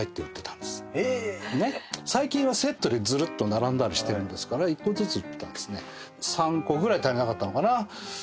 最近はセットでずるっと並んだりしてるんですがあれは１個ずつ売ってたんですね。